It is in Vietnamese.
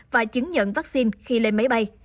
và chứng nhận vắc xin khi lên máy bay